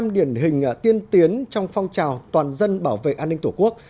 một mươi điển hình tiên tiến trong phong trào toàn dân bảo vệ an ninh tổ quốc